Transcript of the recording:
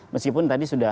meskipun tadi sudah